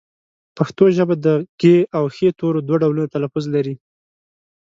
پښتو ژبه د ږ او ښ تورو دوه ډولونه تلفظ لري